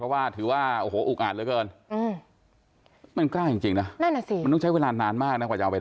มันแก่เข้ามา